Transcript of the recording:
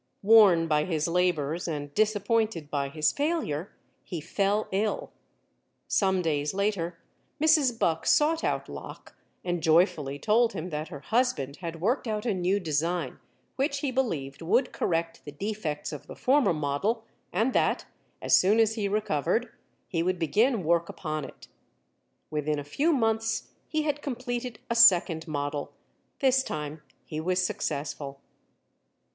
Worn by his labors and disappointed by his failure, he fell ill. Some days later, Mrs. Buck sought out Locke and joyfully told him that her husband had worked out a new design which he believed would correct the defects of the former model and that, as soon as he recovered, he would begin work upon it. Within a few months he had completed a second model. This time he was successful.